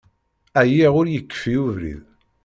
Ɛyiɣ, ur yekfi ubrid.